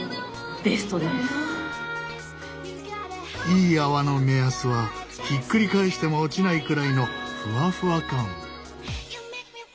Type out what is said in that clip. いい泡の目安はひっくり返しても落ちないくらいのふわふわ感。